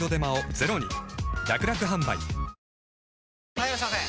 ・はいいらっしゃいませ！